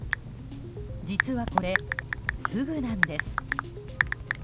実はこれ、フグなんです。